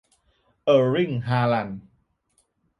เออร์ลิ่ง ฮาลันด์